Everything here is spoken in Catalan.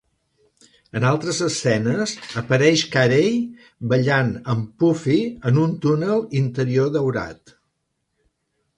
En altres escenes, apareix Carey ballant amb Puffy en un túnel interior daurat.